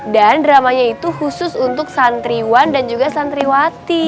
dan dramanya itu khusus untuk santriwan dan juga santriwati